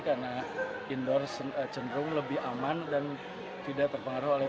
karena indoor cenderung lebih aman dan tidak terpengaruh oleh perubahan